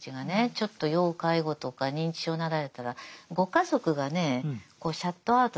ちょっと要介護とか認知症になられたらご家族がねこうシャットアウトなさるんですよね。